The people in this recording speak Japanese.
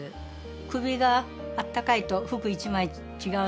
首があったかいと服１枚違うので。